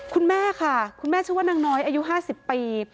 คุณแม่ค่ะคุณแม่ชื่อนางน้อยอายุห้าสิบปี